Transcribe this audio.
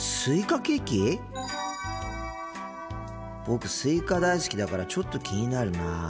僕スイカ大好きだからちょっと気になるな。